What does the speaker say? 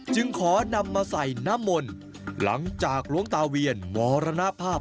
จึงขอนำมาใส่น้ำมนต์หลังจากหลวงตาเวียนมรณภาพ